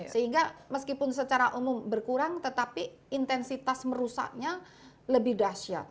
sehingga meskipun secara umum berkurang tetapi intensitas merusaknya lebih dahsyat